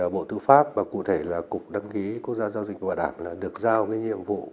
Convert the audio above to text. bộ thư pháp và cụ thể là cục đăng ký quốc gia giao dịch bảo đảm được giao nhiệm vụ